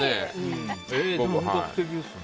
本格的ですね。